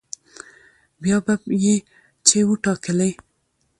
بيا به يې چې وټاکلې